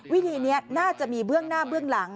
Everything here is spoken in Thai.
วิธีนี้น่าจะมีเบื้องหน้าเบื้องหลัง